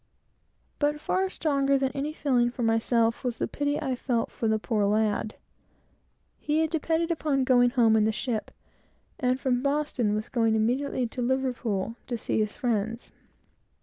But far stronger than any feeling for myself, was the pity I felt for the poor lad. He had depended upon going home in the ship; and from Boston, was going immediately to Liverpool, to see his friends.